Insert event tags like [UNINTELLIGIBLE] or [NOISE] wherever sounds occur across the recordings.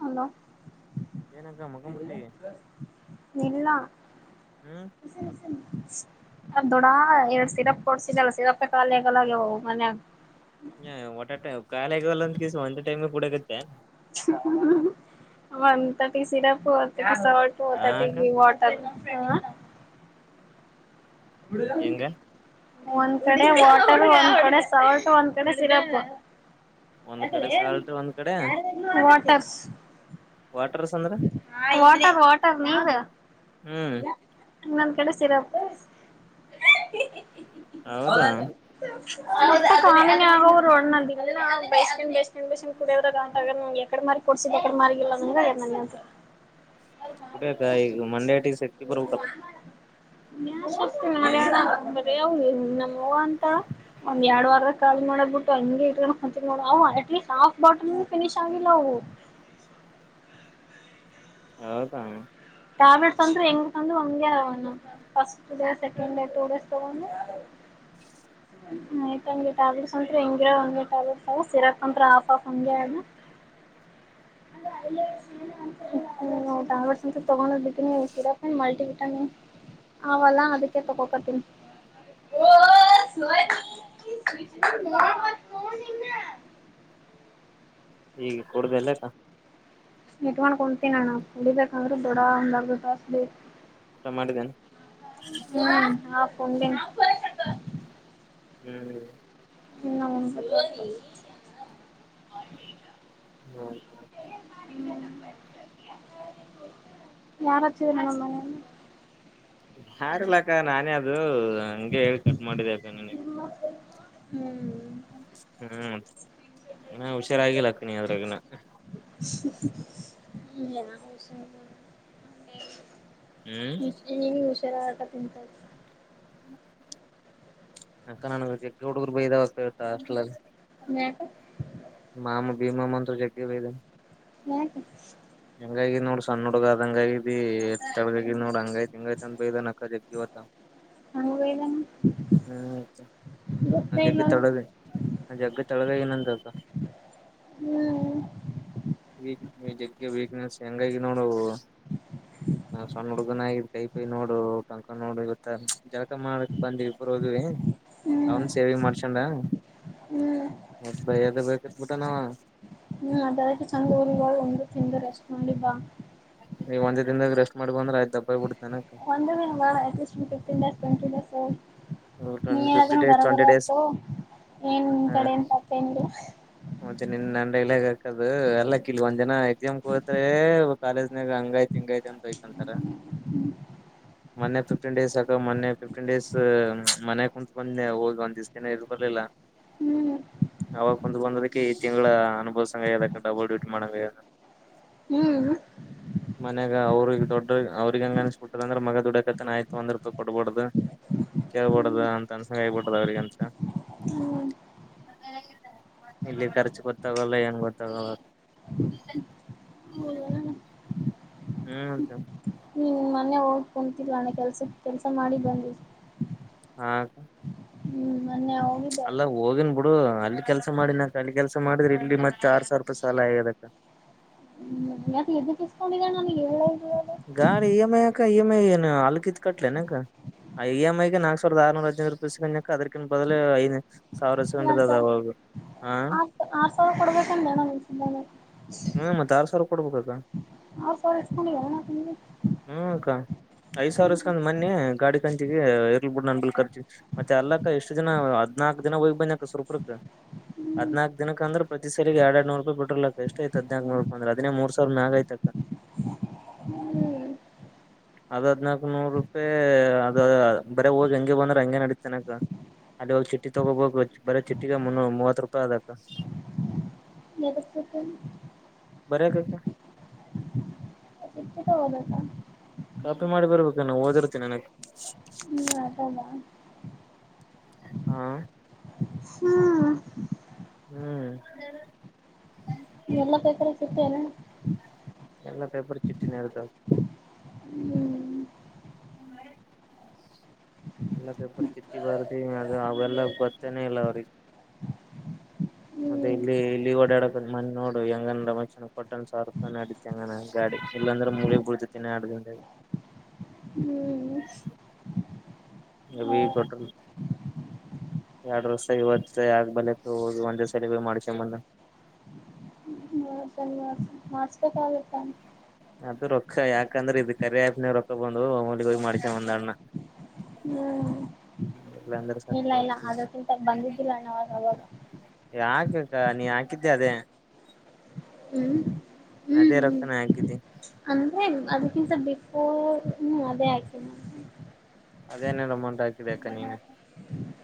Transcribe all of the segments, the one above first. Hello ಏನಕ್ಕ ಮಕಂಬಿಟ್ಟಿ ಇಲ್ಲಾ [UNINTELLIGIBLE] ಹ್ಮ್ ರಿ ಸರಿ [UNINTELLIGIBLE] ನ ದೊಡ ಎರಡ್ ಸಿರಪ್ ಕೊಡ್ಸಿದಲ್ಲ ಸಿರಪ್ ಖಾಲಿಯಗಗವು ಮನ್ಯಾಗ. ಹ ಒಟ ಟ ಕಾಲ ಆಗಲ್ಲ ಅಂತ ಕಸ ಒಂದ ಟೈಮ್ ಕೂಡಗತ್ತೆ. ಮಂತ ಪಿಸಿರ ಪತ್ತ [UNINTELLIGIBLE] ಟ ಹಟ ಹಾಕ್ಕ ಹ [UNINTELLIGIBLE] ಇಡಲ್ಲ ಹೆಂಗ [UNINTELLIGIBLE] ಒಂದ್ ಕಡೆ ವಾಟರ್ ಒಂದ್ ಕಡೆ ಸಾಲ್ಟ್ ಒಂದ್ ಕಡೆ ಸಿರಪ್. ಒಂದ್ ಅ ಕಡೆ ಸಾಲ್ಟ್ ಒಂದ್ ಕಡೆ ಯ [UNINTELLIGIBLE] ವಾಟರ್ಸ್ ಅಂದ್ರ ವಾಟರ್ ವಾಟರ್ ನೀಗ ಹ್ಮ್ ನಂದ ಕಡೆ ಸಿರಪ್ [UNINTELLIGIBLE] ಮ ಹೌದಾ ಆರು [UNINTELLIGIBLE] ಡ ಎಡ ಮ ಕೊಡಸ ಮಿಲ್ಲ [UNINTELLIGIBLE] [UNINTELLIGIBLE] ಕುಡಕ ಈಗ ಮಂಡ್ಯಾ ಟ ಶಕ್ತಿ ಬರ್ ಕಲ್ ತ ನಮ್ಮ ಅವ ಅಂತ ಒಂದ್ ಎರಡ್ ವಾರಕ್ಕ. ಮಾಡಕ್ ಬಿಟ್ಟು ಹಂ ಇವು ಅಟ್ಲೀಸ್ಟ್ ಹಫ್ ಬಾಟಲ್ ಫಿನಿಶ್ ಆಗಿಲ್ಲ ಅವು‌. ಹಾಯ್ [UNINTELLIGIBLE] ಹೌದ. ಟ್ಯಾಬ್ಲೆಟ್ಸ್ ಅಂದ್ರೂ ಹೆಂಗ್ಂದ ಒಮಗೆ first day second day two days ತಗೊಂಡು. ಹೆಲ್ [UNINTELLIGIBLE] ಆಯ್ತ್ ಹಂಗೆ ಟ್ಯಾಬ್ಲೆಟ್ ಅತ್ರಿ ಹಿಂಗ್ರ ಒಂದ ಟ್ಯಾಬ್ಲೆಟ್ಸ್ ಸಿರಪ್ ಅಂತ್ರ ಆಫ್ ಆಫ್ ಹಂಗ. ತರ ಸ [UNINTELLIGIBLE] ತಗೊಂಡ್ ಬಿತೀನಿ ಸಿರಪ್ ಮಲ್ಟಿ ವಿಟಾನಿ ಅವಲ್ಲ ಅದಕ್ಕೆ ತಕೋಕೋತೀನಿ. ಓ ಸ [UNINTELLIGIBLE] ಛಕ [UNINTELLIGIBLE] ಈಗೆ ಕುಡ್ದಲ್ಲಕ್ಕ. ಇಟ್ ಮಾಡ್ಕೊತೀನ ನಾನ ಕುಡಿಬೇಕಂದ್ರೂ ದೊಡ ಒಂದಟಾಸ್ಲಿ ಊಟ ಮಾಡಿದ್ದೇನೆ. ಹ್ಮ ಹಾಪೊಂಡ [UNINTELLIGIBLE] ಹ್ಮ್ ಹ್ಮ [UNINTELLIGIBLE] ಇನ್ನ ಹ [UNINTELLIGIBLE] ಹ್ಮತ [UNINTELLIGIBLE] ಯಾರೊಚಮ್ಮ [UNINTELLIGIBLE] ಯಾರ್ಲಕ್ಕ ನಾನೇ ಅದು ಹಂಗೆ ಹೇಳಿ ಕಟ್ ಮಾಡಿದೆ ಅಕ್ಕ ನನಗ್‌. ಹ್ಮ್ [UNINTELLIGIBLE] ಹ್ಮ್ ಇ ಹುಷಾರಾಗಿಲ್ಲಕ್ಕನಿ ಅದ್ರಗನ. ಯ ಹಸ [UNINTELLIGIBLE] ಹ್ಮ್ ಹ ಹುಷಾರ ಆಟ ತಿಂತ [UNINTELLIGIBLE] ಅಕ್ಕ ನನ ಜಗ್ಗೆ ಹುಡುಗರು ಬೈದಾವಪ್ಪ ಇಳ್ತ ಹಾಸ್ಟೆಲ್ಲಿ. ಮ [UNINTELLIGIBLE] ಮಾಮ ಬಿಮ ಮಂತ್ರ ಜಗ್ಗೆ ವೇದ. ಯಾಕ ಹೆಂಗಾಗಿ ನೋಡ ಸಣ್ಣ ಹುಡುಗ ಅದ ಹಂಗಾಗಿ ಎಗ. ಇಲ್ಲಿನೊಡ್ ರಂಗಾಯ ತಿಂಗಾಯ ಅಂತ ಬೈದಾನ್ ಇವತ್ ಹಂಗ ಬೈದಾನ ಹ್ಮ್ ನ ಗೊತ್ತೇ ಜಗ್ಗೆ ಇಲ್ಲಲ್ಲ ತೊಳಗ ನ ಜಗ್ಗೆ ತೊಳಗ ಏನಂತ್ದ ಹ್ಮ್ ಹ್ಮ ಈ ಜಗ್ಗೆ ವೀಕ್ನೆಸ್ ಹೆಂಗಾಗಿ ನೋಡ ನಾ ಸಣ್ಣ ಹುಡುಗನ ಆಗ ಕೈ ಪೈ ನೋಡು ಕಂಕ ನೋಡು ಇವತ್ತ ಜಲಕ ಮಾಡಕ್ ಬಂದ್ ಇಬ್ಬರು ಹೋಗಿವವಿ ಹ್ಮ್ ಅವನ್ ಸೇವಿಂಗ್ ಮಾಡ್ಸೊಂಡ ಹ್ಮ್ ಮ ಭೈಯದ ಬ ಕತ್ ಬಟಾನ ಅವ್ವ ಕ್ಕೆ ಚಂದ ಊ ಒಂದು ತಿ ರೆಸ್ಟ್ ನಿದ್ದ ನೀವು ಒಂದ ದಿನಾಗ ರೆಸ್ಟ್ ಮಾಡಬಂದ್ರೆ ಐತಿ ದಪ್ಪ ಬಿಡ್ತತಿ ಒಂದುಟ್ಟ್ ಫಿಫ್ಟನ್ ಡಸ್ ಟ್ವೆಟಿಡ ಿಫ್ಟಿ ಡೇಸ್ ಟ್ವೆಂಟಿ ಡೇಸ್ ಆಯ್ತು ಏನ್ ನಿನ್ ಹಾ ಕಡೆನ್ ತಪ್ಪೇನಿಲ್ಲ ಮತ್ತೆ ನಿನ್ ಡೈಲಾಗ್ ದು ಎಲ್ಲ ಕಿಲ್ ಒಂದ್ ಜನ ಎಕ್ಸಾಮ್ ಕೋತ್ೆ ಕಾಲೇಜ್ನಾಗ ಹಂಗಯ್ತ ತೆಂಗೈದನ್ ಬೈಕ್ಂತಾರ ಮನೆ ಫ್ಟನ್ ಡೇಸ್ ಅಕ ಮೊನ್ನೆ ಿಫ್ಟನ್ ಡೇಸ್ ಮನೆಯ ಕುಂತ್ು ಬಂದ್ೆ ಹೋಗ್ ಒಂದ ದಿವ್ಸನ ಎದು್ ಬರ್ಲಿಲ್ಲ ಹ್ಮ್ ಅವಾಗ ಕುಂದು ಬಂದದಕ್ಕೆ ಈ ತಿಂಗಳ ಅನುಸಂಗದ ಡಬಲ್ ಡೂಟಿ ಮಾಡಂಗ ಯ ಹ್ಮ್ ಮನ್ಯಾಗ ಅವ್ರಗ ದೊಡ್ಡ್ರ ಅವ್ರಗ ಹಂಗ ಅನ್ಸ್ಬಿಟ್ಟದ ಅಂದ್ರೆ ಮಗ ದುಡಕತನ ಆಯ್ತು ಒಂದ್ ರೂಪಾಯಿ ಕೊಡ್ಬಾರಡ್ದು ಕೇಳ್ಬೋಡದ ಅಂತ ಅನ್ಸಂಗ ಆಗ್ಬಿಡದ ಅವ್ರಗಂತ [INAUDIBLE] ಹ್ಮ್ ಇಲ್ಲಿ ಖರ್ಚು ಗೊತ್ತಾಗಲ್ಲ ಏನ್ ಗೊತ್ತಾಗಲ್ಲ ಅದು ಹೌದಾ ಹ್ಮ್ಂತ ಹ್ಮ್ ಮೊನ್ನೆ ಹೋಗ ಕುಂತಲ್ಲ ಅಣ್ಣ ಕೆಲ್ಸ ಕೆಲ್ಸ ಮಾಡಿ ಬಂದಿ ಹಾ ಹ್ಮ್ ಹೋಗಿದ್ದಲ್ಲ ಅಲ್ಲಾ ಹೋಗಿನ್ ಬಿಡು ಅಲ್ಲಿ ಕೆಲ್ಸ ಮಾಡಿಿನಾಕ ಅಲ್ಲಿ ಕೆಲ್ಸ ಮಾಡಿದ್ರಿ ಇಲ್ಲಿ ಮತ್ತ ಆರ್ ಸಾವಿರ ರೂಪಾಯಿ ಸಾಲ ಆಗದಕ್ಕ ಹ್ಮ ಯಾಕ್ [UNINTELLIGIBLE] ಗಾಡಿ ಇಎಮ ಆಐ ಇಎಮ ಆಐ ಏನು ಹಲಕಿತ ಕಟ್ಲ ನ ಗ ಆಐ ಎಂ ಐಗೆ ನಾಕ್ ಸಾವರದ ಆರುೂರದೈದು ರೂಪಿ ಅದಕ್ಕಿನ್ ಬದಲು ಐದು ಸಾವಿರಸಕೊಂಡದ ಅದು ಆ ಆರ್ ಸಾವಿರ ಕೊಡ್ಬೇಕಂದೆ ನ ಹ್ಮ ಮತ್ತಾರ ಸಾರ ಕೊಡ್ಬೇಕಕ್ಕ ಆರ್ ಸಾವಿರ ಇಸ್ಕೊಂಡಿದ್ದಾಳೆ ಅಣ್ಣ ತಿಂಗ್ಳಿಗೆ ಹ್ಮಅಕ್ಕ ಐದ್ ಸಾವಿರ ಇಸ್ಕಂದ್ ಮೊನ್ನೆ ಗಾಡಿ ಕಂಚಿಗೆ ಇರ್ಲ್ಬ ಬಿಡ್ ನ ಬಿ ಕರ್ಚಿ ಮತ್ತೆ ಅಲ್ಲಕ್ಕ ಎಷ್ಟು ಜನ ಹದ್ನಾಕಕ್ ದಿನ ಹೋಗ್ ಬಂದ ಸೂರ್ಪೂರ್ಕ ಹ್ಮ್ ಹದ್ನಾಕಕ್ ದಿನಕ್ಕ ಅಂದ್ರೆ ಪ್ರತಿ ಸರಿಗೆ ಎರಡ್ ಎರಡುನೂರು ರೂಪಾಯಿ ಪೆಟ್ರೋಲ್ ಹಾಕ್ ಆಯ್ತದನಕ ನೋಡ್ಕ ಅಂದ್ರೆ ಅದಿನೇ ಮೂ ಸಾವರ ಮ ನಾಗ ಆಯ್ತಕ್ಕ ಹ್ಮ್ ಅದ್ ಹದ್ನಾಕ್ು ನೂರು ರೂಪಾಯಿ ಅದ ಬರ ಹೋಗಿ ಹೆಂಗಗೆ ಬಂದ್ರ ಹಂಗೆ ನಡೀತನಕ ಅಲ್ಲಿ ಹೋಗ ಚಿಟ್ಟಿ ತಗೋಬಬೇಕು ಬರ ಚಿಟ್ಟಿಗೆ ಮುನ್ನೂ ಮೂವತ್ ರೂಪಾಯಿ ಅದಕ್ಕ ಯದಕ್ಬೇಕ ಬರ್ಯಾಕಕ ಹ [INAUDIBLE] ಕಾಫಿ ಮಾಡಿ ಬರ್ಬೇಕ ನ ಓದಿರ್ತೀನಿ ನನಕ್ಕೆ ಹ್ಮ್ ಅದದಾ [INAUDIBLE] ಹಾ ಹ್ಮ ಹ್ಮ್ ಎಲ್ಲ ಪೇಪರು ಸಿಗ್ತಯಿಲ್ಲೇನು ಎಲ್ಲ ಪೇಪರ್ ಚಿಟ್ಟಿನೆ ತಗೋಳಿ ಹ್ಮ್ ಹ್ಮ ಎಲ್ಲ ಪೇಪರ್ ಚಿಟ್ಟಿ ಬರುತ್ತೆ ಅದು ಅವೆಲ್ಲ ಗೊತ್ತೇನೆ ಇಲ್ಲ ಅವ್ರಿಗೆ [INAUDIBLE] ಮತ್ತೆ ಹ್ಮ್ ಇಲ್ಲಿ ಇಲ್ಲಿ ಓಡಾಡಕ ಮನ್ ನೋಯಿ ಹೆಂಗ ರಮೇಶ್ ಅಣ್ಣ ಕೊಟ್ಟನ್ ಒಂದ್ ಸಾವಿರ ರೂಪಾಯಿ ನಡತಿ ಹೆಂಗ ನನ್ ಗಾಡಿ ಇಲ್ಲಾಂದ್ರೆ ಮೂಳ್ಗ್ ಬಿಡ್ತತಿನಿ ಅಡಂಡ [INAUDIBLE] ಹ್ಮ್ ಹ ಅಭಿ ಕೊಟಲ್ [INAUDIBLE] ಎರಡು ವರ್ಷ ಇವತ್ತು ಯಾಕ್ ಬಲತ್ತು ಹೋಗು ಒಂದೇ ಸರೀಬಿ ಮಾಡ್ಕೊ ಬಂದ್ನ [UNINTELLIGIBLE] ಮಾಡ್ಸಬೇಕಾಗ್ಗಿತು ತಾನೆ ಅದ ರೊಕ್ಕ ಯಾಕಂದ್ರೆ ಇದ್ ಕರೆ ಹಪ್ನ ರೊಕ್ಕ ಬಂದು ಹೋಗಿ ಮಾಡ್ಸ ಬಂದನಾ ಹ್ಮ್ ಇಲ್ಲಾಂದ್ರೆ ಇಲ್ಲ ಸತ್ತಿರ ಇಲ್ಲ ಅದಕ್ಕಿಂತ ಬಂದಿದ್ದಿಲ್ಲ ಅಣ್ಣಾವ್ರು ಅವಾಗ ಯಾಕ್ ಅಕ್ಕ ನೀ ಹಾಕಿದ್ದೆ ಅದೇ ಹ್ಮ್ ಹ್ಮ್ ಅದೇ ಹ್ಮ್ ರೊಕ್ಕನ ಹಾಕಿದ್ದಿ ಅಂದ್ರೆ ಅದಕ್ಕಿಂತ [UNINTELLIGIBLE] ಓ ಹ್ಮ್ ಅದೇ ಆಕ್ಕಿನ್ ಅದೇನುನು ಅಮೌಂಟ್ ಹಾಕಿದೆ ಅಕ್ಕ ನೀನೆ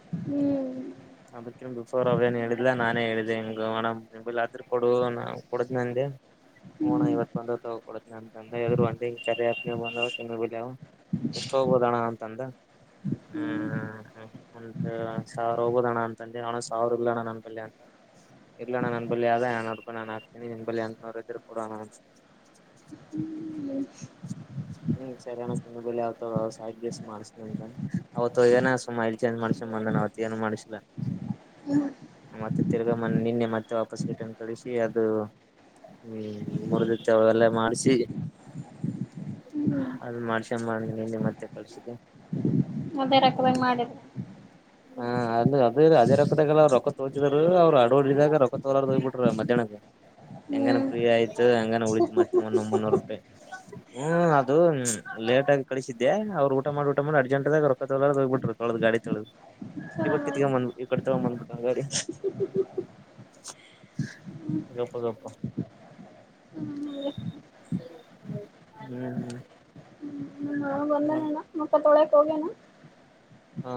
ಹ್ಮ್ ಅದಕ ಬಫೋರ್ ಅವೇನ್ ಹೇಳಿದ್ದಿಲ್ಲಾ ನಾನೇ ಹೇಳಿದ್ದ ಹಿಂಗ [UNINTELLIGIBLE] ಕೊಡು ಕೊಡ್ತೀನಿ ಅಂದೆ ಎಮ್ ಹುಂ ಅಣ್ಣ ಹ್ಮ್ ಇವತ್ತು ಬಂದ ತಗೋ ಕೊಡತನಿ ಅಂತ್ ಅಂದೆ ಒಂದ ಕರೆ [UNINTELLIGIBLE] ಎಷ್ಟ ಹೋಗ್ ಅಂತದೆ ಹ್ಮ ಸಾವಿ ಹೋಗಬೋದಣ್ಣ ಅಂತದೆ ಸಾವಿರ ಇರ್ಲಣ ನನ್ನ ಪಲ್ಲಿ [UNINTELLIGIBLE] ಇಲ್ಲ ನಾನು ನನ್ ಬಲಿ ಅಯ್ದ ಏರ್ನೂರು ರೂಪಾಯಿ ನಾನು ಹಾತೀನಿ ನಿನ್ ಬಿ ಎಂಟ್ನೂರು ಇದ್ರೆ ಕೊಡ್ ಅಣ್ಣ ಅನ್ನು ಹ್ಮ್ ಹ್ಮ್ ಸರಿಯಣ್ಣ [UNINTELLIGIBLE] ಮಾಡ್ಸಂತ ಅವತ್ತು ಏನ ಸ್ಮೈಲ್ ಚೇಂಜ್ ಮಾಡ್ಸ ಹುಂ ಅಂದೆ ನಾ ಅವತ್ತು ಏನು ಮಾಡಿಸಿಲ್ಲ [INAUDIBLE] ಮತ್ತೆ ತಿರ್ಗಮನ್ ನಿನ್ನೆ ಮತ್ತೆ ವಾಪಸ್ ರಿಟರ್ನ್ ಕಳಿಸಿ ಅದು ಹ್ಮ್ ಮೂರುದಿತ್ ತವೆಲ್ಲ ಮಾಡ್ಸಿ [INAUDIBLE] ಅದು ಮಾಡ್ಸ ಮಾಡಿದೀನಿ ನಿನ್ನೆ ಮತ್ತೆ ಕಳ್ಸಿದಿನಿ ಮದ್ ಬೇಡಕವಾ ಹಿಂಗ್ ಮಾಡಿದ್ರೆ ಹಂಗೆ ಅದೇ ಅದೇ [UNINTELLIGIBLE] ರೊಕ್ಕ ತೋಚಿದ್ರು ಅವ್ ಅಡಡಿದಾಗ ರೊಕ್ಕ ತೋಲಾರದ ಹೋಗಿ ಬಿಟರ ಮಧ್ಯಾಹ್ನ ಹೆಂಗಾನ ಹ್ಮ್ ಫ್ರೀ ಆಯ್ತು ಹೆಂಗಾನ ಉಳಿತು ಮತ್ತೆ ಮುನೂರ್ ಮುನ್ನೂರು ರೂಪಾಯಿ ಹ್ಮ್ ಅದು ಲೇಟಾಗಿ ಕಳಿಸಿದ್ದೆ ಅವ್ರು ಊಟ ಮಾಡಿ ಊಟ ಮಾಡಿ ಅಜಂಟ್ಟಾಗಿ ರೊಕ್ಕ ತಕೊಳರ್ದೆ ಹೋಗ್ಬಿಟ್ರು ಹತ್ಕೊಂಡು ಗಾಡಿ ಚಲೋ ಇವಾಗ ಕಿತ್ತಕ ಮಾಡಿದ್ರು ಬಂನು ಈ ಕಡೆ [UNINTELLIGIBLE] ಗಪ್ಪ ಗಪ್ಪ ಹ್ಮ್ ನಾನು ಬಂದೇನೇನ ಮುಖ ತೊಳಕ್ ಹೋಗನ ಹಾ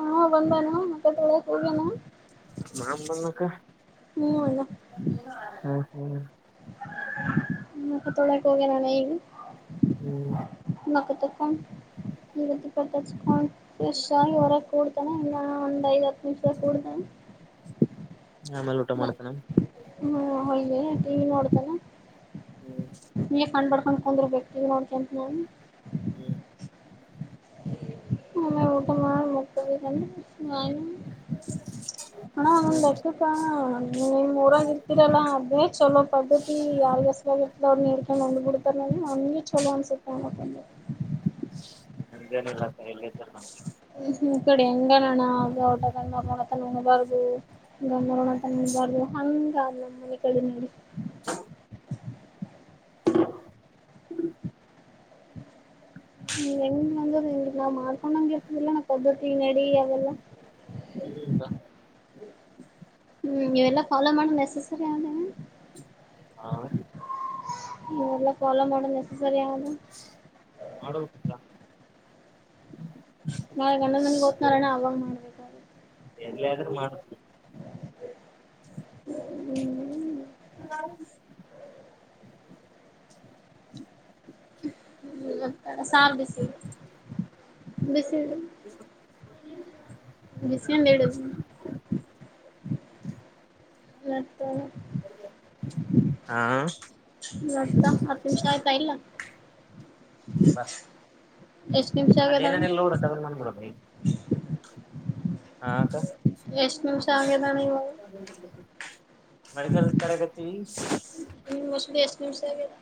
ಹಾ ಬಂದಾನು ಮುಖ ತೊಳಿಯಕ ಹೋಗನ ನಮ್ ಬೊಲೋಕ ಹ್ಮ್ ಅಣ್ಣ ಹ್ಮ್ ಹ್ಮ್ ಮುಖ ತೊಳಿಯಕೆ ಹೋಗ್ಯಾನ ಲೆ ಹ್ಮ್ ಮಕ್ಕ ತಕ್ಕೊಂಡ ವಿಭೂತಿ ಪಟ್ಟಕ್ಕೊಂಡ ಫ್ರೆಶ್ ಆಗಿ ಹೊರಕ್ಕೆ ಹೋಡ್ರು ಇನ್ನ ಒಂದ್ ಐದು ಹತ್ತು ನಿಮಿಷ ಕೂಡ್ದ ಆಮೇಲೆ ಊಟ ಮಾಡಿದ್ನ ಹ್ಮ್ ಹಾಗೆ ಟಿ ವಿ ನೋಡ್ತಾನ ಹ್ಮ್ ಹಂಗೆ [UNINTELLIGIBLE] ಹ್ಮ ಆಮೇಲೆ ಊಟ ಮಾಡಿ ಮಕ್ಕೊಂದು ನಾನು [UNINTELLIGIBLE] ಅಣ್ಣ ಒಂದ್ ಹ್ಮ್ ಲೆಕ್ಕಕೆ ನಿಮ್ ಊರಾಗಿ ಇರ್ತಿರಲ್ಲಾ ಅದೇ ಚಲೋ ಪದ್ಧತಿ ಮಸ್ವವಾಗಿರ್ತದವ್ರು ನೀಡ್ಕೊಂಡ ಹೊಂದ್ ಬಿಡ್ತಾರೆನ ನನ್ಗೆ ಚೊಲೋ ಅನ್ಸುತ್ತೆ ನಂದೇನಿಲ್ಲತ್ತ ಎಲ್ಲಿದ್ದನ ಹ್ಮ್ ಕಡೆ ಹೆಂಗಣ್ಣ ಆ ಊಟ ಮಾಡೋಡತ ಹಂಗಬಾರ್ದು [UNINTELLIGIBLE] ಹಂಗ ನಮ್ಮ್ ಮನೆ ಕಡೆ ನೀಡಿ ಹ ಹೆಂಗ ಅಂದ ನಾವ್ ಮಾಡ್ಕೊಂಡಂಗಗೆ ಇರ್ತದಿಲ್ಲ ಪದ್ಧತಿ ನಡಿ ಅವೆಲ್ಲಾ ಹ್ಮ ಬಾ ಹ್ಮ್ ಇವೆಲ್ಲ ಫಾಲೋ ಮಾಡೋ ನೆಸಸರಿ ಅವದೇ ಹಾ ಇವೆಲ್ಲ ಫಾಲ್ಲೋ ಮಾಡೋ ನೆಸಸರಿ ಅವೆನ್ ಮಾಡಬೇಕ [INAUDIBLE] ನಾಳೆ ಗಂಡ್ಣಂದ ಮನಿಗೆಹೋಗ್ತೀನಲ್ಲ ಅಣ್ಣ ಅವಾಗ್ ಮಾಡ್ಬೇಕಾದ್ರೆ ಇಲ್ಲೇ ಇದ್ರು ಮಾಡಬೇಕು ಹ್ಮ್ ಹಾ ಹ್ಮ ಸಾರ್ ಬಿಸಿ ಬಿಸಿ ಬಿಸಿಯಿಂದ ಇಡು [UNINTELLIGIBLE] [UNINTELLIGIBLE] ಹತ್ತು ಹಾ ನಿಮಿಷ ಆಯ್ತಾ ಇಲ್ವಾ ಎಷ್ಟು ನಿಮಿಷ ಅಲ್ಲಿ ಆಗದ ಏನೇನ ಇಲ್ಲ ನೋಡ ತಗೊಂಡ್ ಬಂದ್ಬಿಡೋದು ಈಗ ಹಾ ಅಕ್ಕ ಎಷ್ಟ ನಿಮಷ ಆಗದಣ್ಣ ಈವಾಗ ಮೆಡಿಕಲ್ ಕಡೆಗತ್ತೀವಿ ಎಷ್ಟು ನಿಮಿಷ ಆಗೈತಿ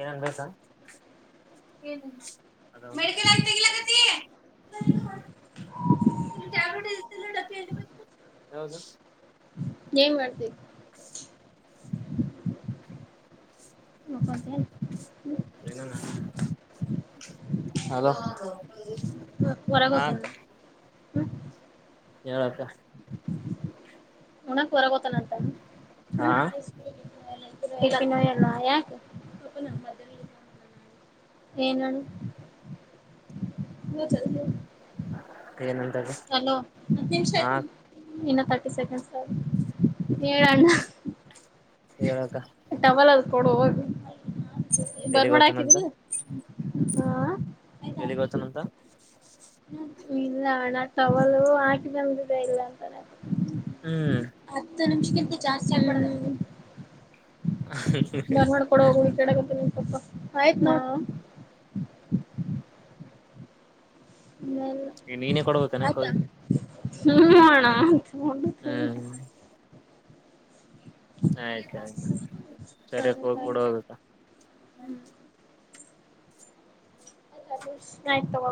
ಏನನ್ಬೇಕ ಏನು [UNINTELLIGIBLE] ಯಾವುದು ಏನ್ ಮಾಡ್ತಿದೆ [UNINTELLIGIBLE] ಏನ ಹೇಳೋದು ಹಲೋ ಆ ಹೊರಗೋತನ ಅಕ್ಕ [UNINTELLIGIBLE] ಹೇಳಕ್ಕ ಉಣ್ಣಕೆ ಹೊರಗೋಗ್ತಾನಂತ ಹ್ಮ್ ಹಾ ಎಲ್ಲ ಯಾಕೆ ಹ [INAUDIBLE] ಏನು ಏನಂತಕ್ಕ ಹಲೋ ಹತ್ತು ನಿಮಷ ಹಾ ಇರು ಇನ್ನು ತರ್ಟಿ ಸೆಕೆಂಡ್ ಆಯ್ತೆ ಹೇಳಣ್ಣ ಹೇಳಕ್ಕ ಕೊಡ ಎಲ್ಲಿಗ್ ಬರ್ಮೋ ಹೋಗ್ತಾನಂತ ಹಾಕಿದಿಲ್ಲ ಹಾ ಎಲ್ಲಿಗೆ ಹೋಗ್ತಾನಂತ ಇಲ್ಲ ಅಣ್ಣ ಟವಲು ಹಾಕ ಮಲ್ ದಡ ಇಲ್ಲ ಅಂತನ ಹ್ಮ್ ನಿಮಿಷಕ್ಕಂತ ಜಾಸ್ತಿ ಮಾಡವು ಮಾಡಕೊಡ ಹೋಗ ಕೆಕತ್ತಂತಪ್ಪ ಆಯ್ತ್ನಾ ಮ ಈಗ ನೀನೇ ಕೊಡ್ಬೇಕನಕ್ ಆತ್ತ ಹೋಗಿ ಹ್ಮ ಮಾಡಣ ಮಡ ಹ್ಮ್ ಆಯ್ತು ಆಯ್ತು ಸರಿ ಸರಿಯಕ್ಕೆ ಹ ಕೂಡ ಹಬೇಕ ಆಯ್ತಲ